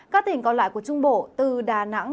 các tỉnh còn lại của trung bộ từ đà nẵng